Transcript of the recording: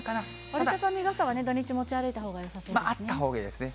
折り畳み傘は、土日、持ち歩あったほうがいいですね。